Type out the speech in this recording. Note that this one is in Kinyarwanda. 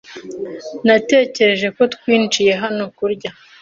Natekereje ko twinjiye hano kurya.